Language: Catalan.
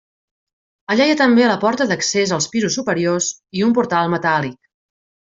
Allà hi ha també la porta d'accés als pisos superiors i un portal metàl·lic.